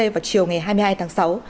vào chiều ngày hai mươi hai tháng sáu